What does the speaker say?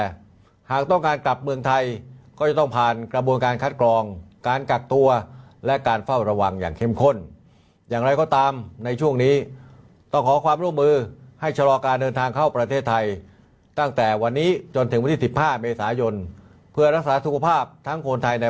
ดูแร่ห่างต้องการกลับเมืองไทยก็จะต้องผ่านกระบวนการคัดกรองการกลับตัวและการเฝ้าระวังอย่าง